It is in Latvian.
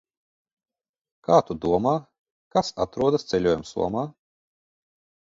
Kā tu domā, kas atrodas ceļojumu somā?